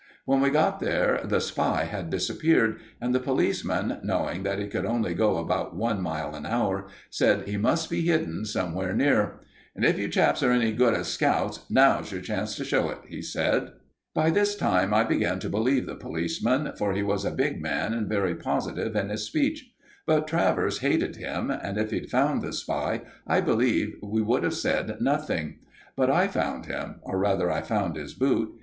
When we got there, the spy had disappeared, and the policeman, knowing that he could only go about one mile an hour, said he must be hidden somewhere near. "And if you chaps are any good as scouts, now's your chance to show it," he said. By this time I began to believe the policeman, for he was a big man and very positive in his speech; but Travers hated him, and if he'd found the spy, I believe he would have said nothing. But I found him, or, rather, I found his boot.